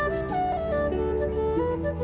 diskusi bahwa vivi seperti makliciiti